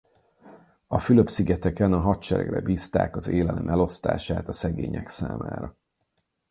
A Fülöp-szigeteken a hadseregre bízták az élelem elosztását a szegények számára.